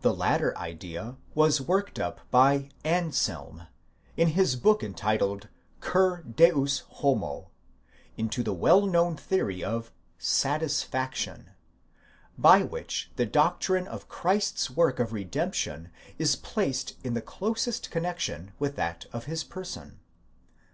1!_ The latter idea was worked up Anselm, in his book entitled Cur Deus homo, into the well known theory of satisfaction, by which the doctrine of Christ's work of redemption is placed in the closest connexion with that of his person.